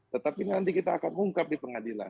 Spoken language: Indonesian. tetapi nanti kita akan ungkap di pengadilan